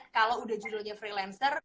kalau udah judulnya freelancer